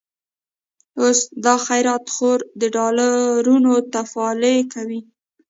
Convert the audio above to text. اوس دا خيرات خور، د ډالرونو تفالې کوي